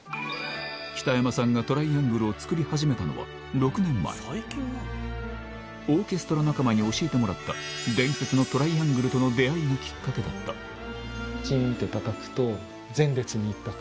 北山さんがトライアングルを作り始めたのは６年前オーケストラ仲間に教えてもらったとの出合いがきっかけだったチンって。